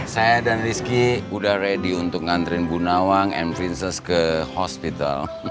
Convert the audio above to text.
saya dan rizky udah ready untuk ngantri bu nawang and princes ke hospital